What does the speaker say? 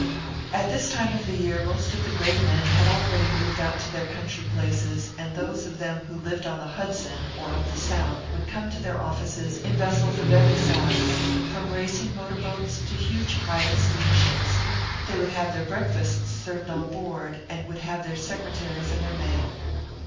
At this time of the year most of the great men had already moved out to their country places, and those of them who lived on the Hudson or up the Sound would come to their offices in vessels of every size, from racing motor boats to huge private steamships. They would have their breakfasts served on board, and would have their secretaries and their mail.